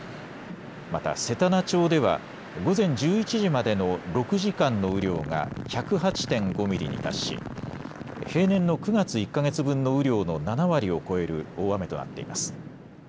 また、せたな町では午前１１時までの６時間の雨量が１０８．５ミリに達し平年の９月１か月分の雨量の７割を超える大雨となっています。